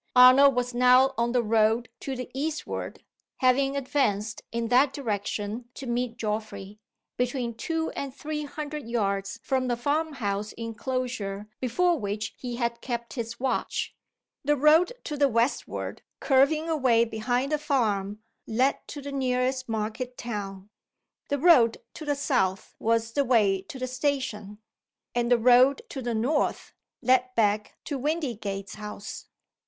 Arnold was now on the road to the eastward, having advanced in that direction to meet Geoffrey, between two and three hundred yards from the farm house inclosure before which he had kept his watch. The road to the westward, curving away behind the farm, led to the nearest market town. The road to the south was the way to the station. And the road to the north led back to Windygates House.